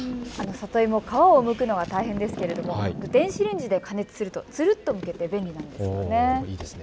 里芋、皮をむくのが大変ですけれども電子レンジで加熱するとするっとむけて便利なんですよね。